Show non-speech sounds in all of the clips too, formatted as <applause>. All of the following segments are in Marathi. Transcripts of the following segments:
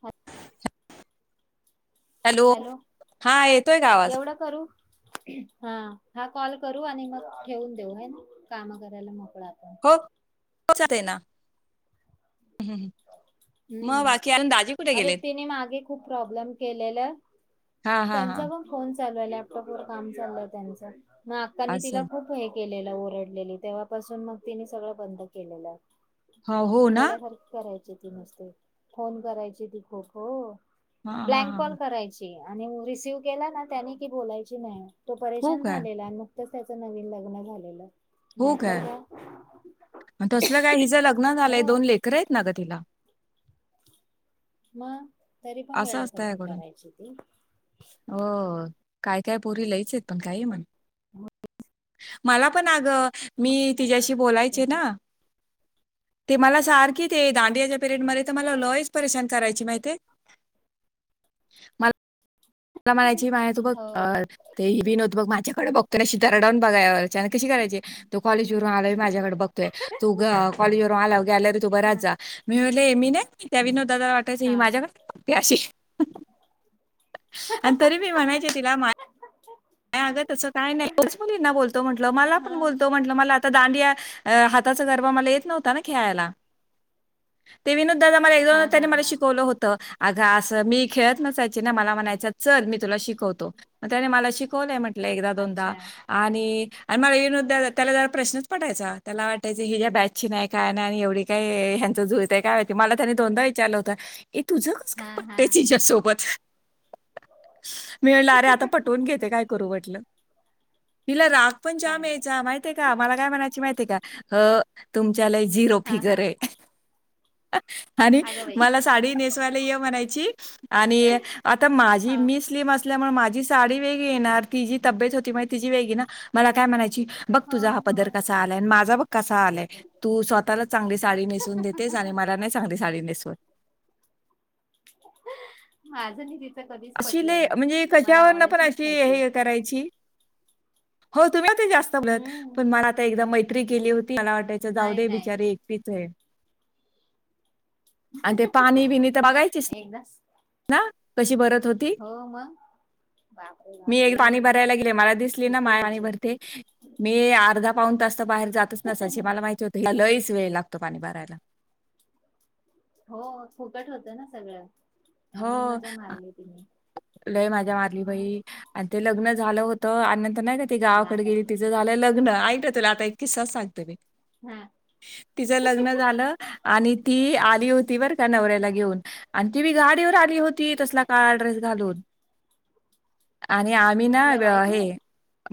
ह हॅलो हा येतोय का आवाज एवढं करू हा हा कॉल करू आणि मग ठेऊून देऊ ना काम करायला मोक <unintelligible> <unintelligible> हम्म ् अरे तिने मागे खूप प्रॉब्लेम केलेला हा हा हा त्यांचा पण फो चालूय लॅपटॉप वर काम चाललंय त्यांच मग अक्कांनी तिला असं खूप केलेलं ओरडलेली तेव्हापासून मग तिने सगळं बंद केलेलं हा हो ना वेड्यासारखी करायची नसते फोन करायची ती खोक हो हा हा ब्लँक हा कॉल करायची आणि रिसीव्ह केला ना त्याने की बोलायची नाही तो हो परेशान काय झालेला मग त्याचं नवीन लग्न झालेलं हो काय तसलं काय हिच लग्न हो झालंय दोन लेकर आहेत ना ग तिला म. तरी पण असं असतं वेड्यासारखी याकडून करायची ती‌. हो काय काय पोरी लयच आहेत, पण काही म्हण. हो <unintelligible> मला पण अगं मी काय तिच्याशी बोलायचे ना? ते मला सारखी ते दांडियाच्या पिरेयड मध्ये तर मला लयच परेशान करायची माहितेय? मला- मला म्हणायची, मा तू बघ हो ते विनोद बघ माझ्याकडे बघ- तुशी तररडाून बघायवर <unintelligible> कशी करायची? तो कॉलेज वरून आलोय माझ्याकड बघतोय, तो ग काँलेज वरून आल्या गे तू हा बच जा मी <unintelligible> एमिने कब <unintelligible> दादा वाटायचं ही हा माझ्याकडे- <unintelligible> त्या्याशीे <unintelligible> आणि तरी मी म्हणायचे तिला मा नाही अगं, तस काय तोच मुलींना बोलतो म्हटलं, मला पण हा बोलतो म्हंटलं, मला आता दांडिया हातात तवा गरबा मला येत नव्हता ना खेळायला, ते विनोद- मला एक हा हा त्यांनी मला हा शिकवलं होतं <unintelligible> अग, असं मी खेळत नसा ची, मला म्हणायचा चल तुला मी शिकवतो, मी त्यान मला शिक कोन <unintelligible> एकदा दोनदा अच्छा आणि.. आणि मला येऊन, त्याला जरा प्रश्नच पडायचा, त्याला वाटायचं, हिच्या बॅचची नाही, काय नाही आणि एवढी काय ह्यांचं जूळतय काय, मला त्यानी दोनदा विचारलं होत. ये, तुझं कस हा काय हा पटतय तिच्यासोबत? मिळणार, आता पटवून घेते काय <unintelligible> पण काय जाम यायचा, माहितेय का? मला काय म्हणायची माहितेय का? हं, तुम ज्याला झीरो हा फिगर हा है. आणि अगं बाई मला साडी नेसवायला ये म्हणायची आणि आता हा माझी मी स्लीम असल्यामुळे माझ जी साडी- वग येणार <unintelligible> तिची तब्येत होती तिची वेगळी ना मला काय म्हणायची बघ हो तुझा हा हो पदर कसा आलाय माझा बघ कसा आलाय तू स्वतःला चांगली साडी नेसून देतेस आणि मला नाही चांगली साडी नेस. <unintelligible> माझं नाही. कधीच अशी पटलं लय म्हणजे मला कश्यावरन पण आवडायचीच अशी नाही ती हे करायची. हो तुम्ही हून. किती ही जास्त बोल हम्म पण मनात आता एकदा मै. मैत्री केली हो. मला वाटायचं जाऊ नाही दे नाही बिचारी एकटीच आहे. आणि ते पाणी बिणी तर बघायचीस एकदाच ना. कशी भरत. त होती हो मग बापरे मी बापरे पाणी भरायला गेले मला दिसली ना किती माय पाणी विचित्र भरते मी अर्धा पाऊन तास बाहेर जातच नसायची मला माहिती होत हीला लयस. वेळ लागतो पाणी भरायला. हो फुकट होतं ना सगळं. हो त्यामुळे मजा मारली तिने लय मज्या मारली मग बाई आणि ते लग्न. झालं होत. नाही का ती गावाकडे दादा गेली तिच किती झालंय लग्न. तुला आता एक किस्सा सांगते मी. हा तिच लग्न झालं आणि ती आली होती बर का नवऱ्याला हा घेऊन आणि ती बि. गाडीवर आली हो. ती तसला अच्छा काळा ड्रेस घालून. आणि आम्ही ना कुठल्या बाईक वर हे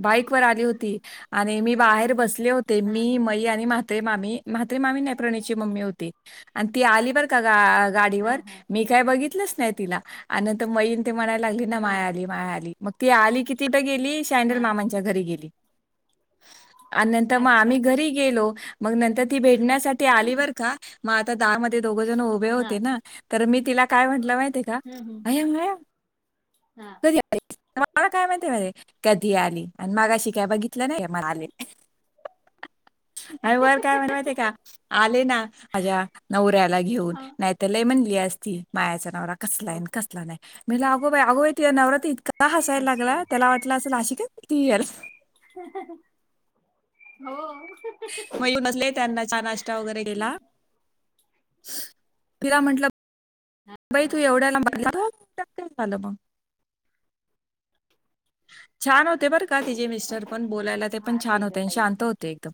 बाईक वर आली होती आणि मी हा बाहेर बसले होते हा मी माई आणि मा. ते मामी म्हात्रे मामी नाही प्रणीत ची मम्मी होती आणि ती आली बर का गा. हा हा गाडीवर हा मी. बघितलंच नाही तिला आण मग नंतर माई. लागली ना, हा माया आली माया आली मग. ती आली किती. गेली शायनर हा मामांच्या घरी गेली. <unintelligible> आणि नंतर मग आम्ही अच्छा घरी गेलो. मग नंतर. ती भेटण्यासाठी आली बरका. म आता दहामत. ते दोघ जण उभे हा होते ना तर मी तिला. काय म्हंटलं माहिती आहे का? हम्म हम्म <unintelligible> हा कधी आली? आता मला काय माहिती नाही कधी आली आणि मघाशी काय बघितलं नाही? म आले आणि वर काय म्हणते माहितीये का? आले ना माझ्या नवऱ्याला घेऊन, हा नाहीतर लई म्हणली असतीस ती माया चा नवरा कसला आहे नि ओके कसला नाही. म्हटलं अग बाई, अगं तिचा नवरा इतका हसायला अच्छा लागला. त्याला वाटलं असल अशी काय तीए हो <unintelligible> त्यांना चहा नाश्ता वगैरे दिला. तिला म्हंटलं, बाई तू एवढ्याला लांब- का झालं मग छान होत ते बर का, तिचे मिस्टर पण बोलायला ते पण फार छान होते डेंजर आणि बाई शांत होते एकदम.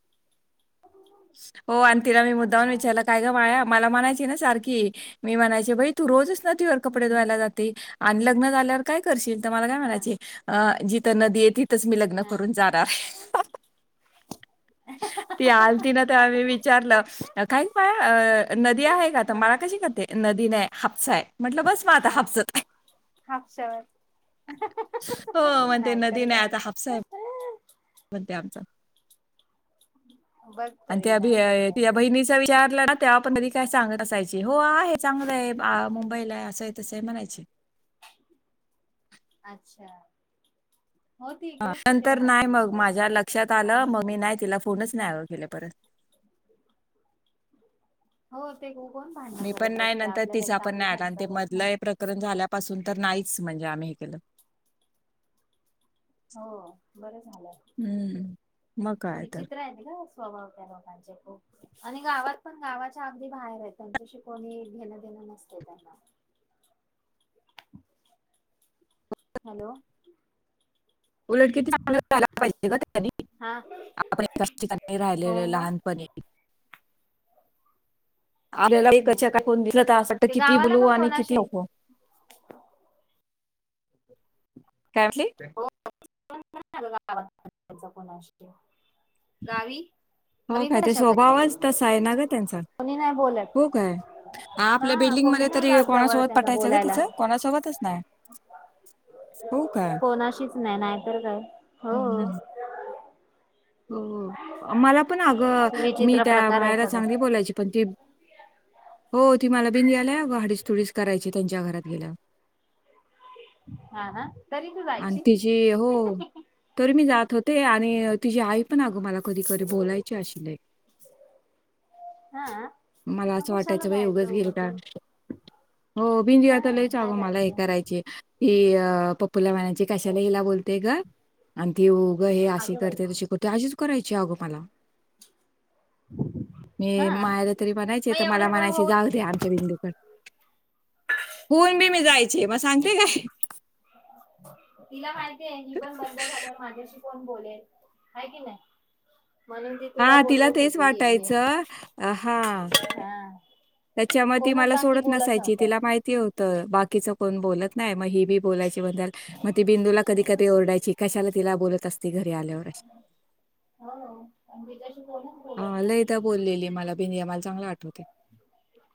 हो आणि तिला मी मुद्दाम अच्छा विचारल काय ग माया, मला म्हणायची ना सारखी मी म्हणायचे बाई तू रोजच नदीवर कपडे हम्म हम्म धुवायला जाते आणि लग्न झाल्यावर काय करशील? त मला काय हा म्हणायची? जिथे नदी आहे तिथेच मी लग्न हा करून जाणार. ती आलती ना तेव्हा मी विचारलं, काय ग माया नदी आहे ना? तर मला कशी करते नदी नाही. हाफसा आहे. म्हटलं, "बस मग आता हां हापसत आहे." हाफस्यावर हो, म्हणते नदी नाही आता हापसा आहे म्हणते आमचा. बघ आणि तरी नाहीतर काय त्या बहिणीचा विचार ना तेव पण न काय सांगत असयची हो आहे चांगलं आहे. आ मुंबईला आहे असं तस म्हणायचे. अच्छा. हो ती इकडेच कुठे नंतर नाही राहते मग मुंबई माझ्या साईडला पण लक्षात काय आलं. माहिती मग मी त्याचं. नाही तिला फोनच नाही केला परत- हो. ते ग- मी पण नाही नंतर तिचा पण नाही आला. आणि ते घरचा व्याप मधलं नाही. हे प्रकरण झाल्यापासून- तर नाहीच म्हणजे आम्ही हे केलं. हो. बर झालंय हम्म. मग काय तर. विचित्र आहे ना ग - स्वभाव त्या लोकांचे खूप आणि गावात पण गावाच्या अगदी बाहेर आहेत त्यांच्याशी कोणी घेणं देणं नसतय त्यांना. हॅलो. उलट क त आपलायला पाहिजे का त्यानी हा आपण एकाच ठिकाणी हो राहिलेले मग लहानपणी आपल्याला तेच ना. दिसलं तर असं वाटतं ते किती गावाला बोलू पण आणि किती कोणाशी नको. कायातली? ा कोणाशी गावी हो गावी काय पण ते तशाच आहेत त्या स्वभावच तस आहे ना ग त्यांच कोणी नाही बोलत. हो काय आपल्या हा बिल्डिंग मध्ये कोणी नाही तरी जात जवळ कोणासोबत त्याच्या पठायचं ग बोलायला तिचं कोणासोबतच ना हो काय तर काय हो हं, हं. हो मला पण अगं मी विचित्र त्या प्रकार आहे मायाला सगळं. चांगली बोलायची पण ती हो ती मला बिन याल्या गडीस थोडीच करायची त्यांच्या घरात गेल्या हा हा आणि तिची हो तरी मी जात होत ते आणि तिझी आई पण अगं मला कधी कधी बोलायची अशी हा मला असं मग कशाला वाटायचं बा जायचं एगंच गेल उगच का हो बिनजिया हा लचग नाही मला हे जायचं करायचे की प फुला मानाची कशाला हिला बोलतेय ग आणि ती हे अशी अगं बाई करते तशी करते करायची अगो मला मी हा मायला तरी म्हणायचे मग तर एवढं मला सगळं म्हणायचे होऊ जाऊ देे आमच्या भिंदूत <inaudible> होऊन बी मी जायचे मग सांगते काय इला माहिती पण बंद झा माझ्याशी कोण बोलेल आहे कि नाही म्हणून ती हा तुला तिला बोलवत तेच होती ये ये वाटायचं हा हा त्याच्यामध्ये त कोणच मला बाकी सोडत बोलत नसायची नव्हतं तिला माहिती होती तर बाकीच कोण बोलत नाही मग ही बी बोलायची म त बिंदूला कधी कधी ओरडायची कशाला तिला बोलत असती होा बताशी बोलच बोला आमला चांग आठवत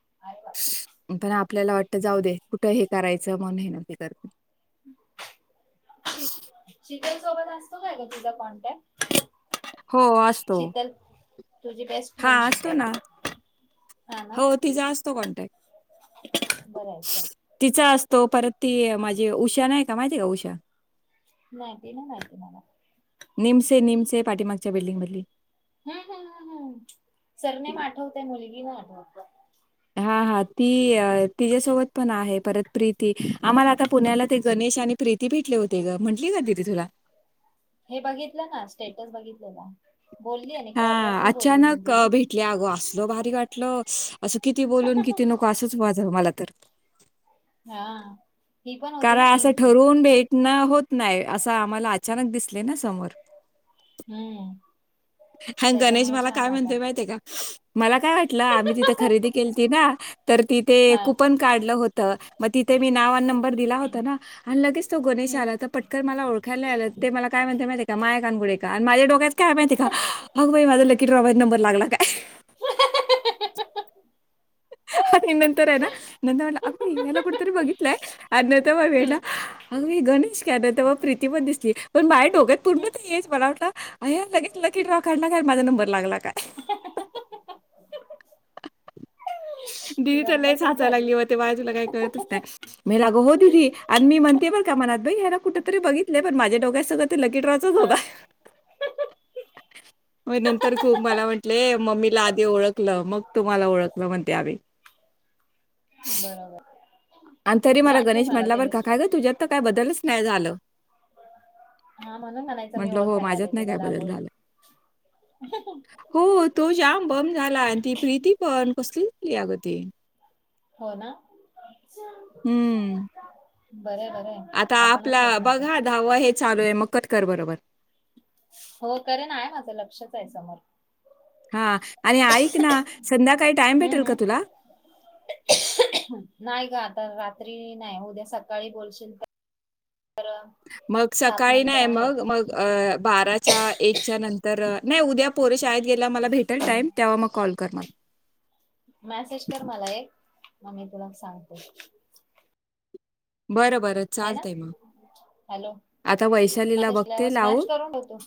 ना अरे बापरे पण आपल्याला वाटत जाऊ दे कुठं हे करायचं मन हे न करते शतल सोबत असतो काय ग तुझ कॉन्टॅक्ट हो असतो शीतल तुझी बेस्ट फ्रेंड हां, असतो शिकल ना. हो ते जास्त ॉन्टॅक्ट भरायचा ते माझी उषा नाही का माहिती आहे का उषा नाही तन काय मड निमसे निमसे पाठीमागच्या बिल्डिंगमधली हम सरनेम आठवते मुली ह नाही आठवत हा हा ती तिच्या्यासोबत पण आहे परत प्रीती आम्हाला आता पुण्याला ते गणेश आणि प्रीती भेटले होते गं. म्हटली का दीदी तुला? हे बघितलं ना स्टेटस बघितलेला बोलली आणि हा कॉलवर पण बोलली अचानक दिदी भेटले अगो असलो भारी वाटल असं किती बोलून किती नको असंच वाटल जा मला तर हा ही पण होती ना कारण असं पिंकी ठरवून भेटण होत नाही असं आम्हाला अचानक दिसले ना समोर हम्म हा गणेश त्याच्यामुळे मला छान काय वाटल म्हणतो माहिती का मला काय वाटलं आम्ही तिथे खरेदी केलती ना तर तिथे हा कुपन काढलं होत मग तिथे मी नाव आणी नंबर दिला होता ना लगेच तो गोणेश हम्म. आला तर पटकर मलाओखायला आलं ते मला काय म्हण माहि का माय अन माझ्या डोक्यात काय माहिती आहे का अग बाई माझं लकी ड्रा वर नंबर लागला काय अे नंतरय ना नंद वाला याला कोठेतरी बघितले आहे हम्म. वेडा गणेश त्या नंतर मग प्रीती पण दिसली पण माझ्या डोक्यात पूर्ण तर येच मला वाटलं अ लगेच लकी ड्रॉ काढला काय माझा नंबर लागला काय दिदी तर लईच गंमतच हसायला झाली लागली व तेव्हा बाजूला काही कळतच नाही मी लाग हो ददी आणि मी म्हणते बर का मनात याला कुठेतरी बघितलं पण माझ्याडोक्यात सगळं ते लकी ड्रॉ चा च होता हा. मग नंतर खूप मला म्हंटले मम्मीला आधी ओळखलं मग तुम्हाला ओळखलं म्हणते आम्ही बरोबर आणि तरी मला सांगितलंय गणेश म्हटला बरका त्यांनीच का काय ग तुझ्यात तर काय बदलच नाही झाला हा म्हणून म्हणायचं मी आहे हो ओळखायला माझ्यात आले नाही काय तुला बदल लांबून झाला हो तो जाम बम झाला आणि ती प्रीती पण कसली हो अग ते हो ना हम्म बरं आहे बरं आहे. आता आपणच आपला होत नाही तर बघा धावा हेच चालू आहे मग कट कर बरोबर हो करे नाय माझं लक्षच आहे समोर हा. आणि ऐक ना संध्याकाळी टाइम भेटेल हम्म का हम्म. तुला नाही ग आता रात्री नाही उद्या सकाळी बोलशील. मग सात सकाळी नंतर नाही आहे मग मग बाराच्या एकच्या नंतर तर नाही उद्या पोरे शा गेला मला भेटेल टाईम तेव्हा मग कॉल कर मला मॅसेज कर मला एक मग मी तुला सांगतो. बरं, बरं ह ना चालतंय मग. हॅलो आता वैशालीला मसे बघते मॅ लावून करूनतो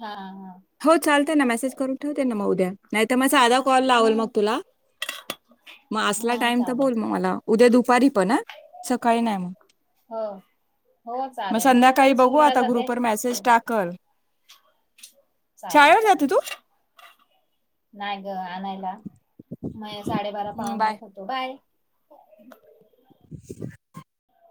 हा हा. हो चालतय ना मेसेज करून ठेवते त्यांना ह मौद्या नाही तर मग साधा कॉल लावल मग हम्म तुला मग असला हा टाईम तर चालेल बोल मग मला उद्या दु पारी प ना सकाळी नाही मग हो हो मग चालेल मी संध्याकाळी पण बघू स्कूलला आता जाते ग्रुपवर मेसेज टाकल. चालेल शाळेवर जाते तू? चालेल नाही ग आणाय. म साडेबारा हं, पाहून बाय. एक होतो बाय. काय कळलं नाही. <unintelligible>